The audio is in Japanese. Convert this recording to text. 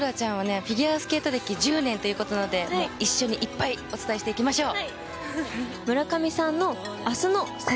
フィギュアスケート歴１０年ということなので一緒にいっぱいお伝えしていきましょう。